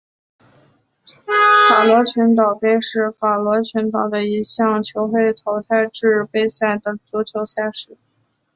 法罗群岛杯是法罗群岛的一项球会淘汰制杯赛的足球赛事。